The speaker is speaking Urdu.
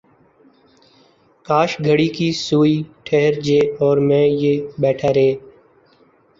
کاش گھڑی کی سوئ ٹھہر ج اور میں ی بیٹھا ر